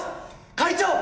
会長！